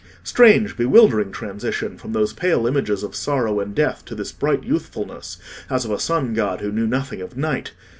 Strange, bewildering transition from those pale images of sorrow and death to this bright youthfulness, as of a sun god who knew nothing of night!